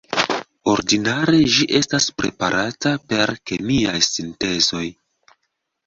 Ordinare ĝi estas preparata per kemiaj sintezoj.